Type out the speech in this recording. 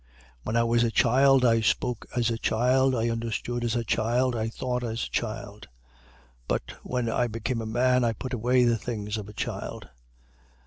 13:11. When I was a child, I spoke as a child, I understood as a child, I thought as a child. But, when I became a man, I put away the things of a child.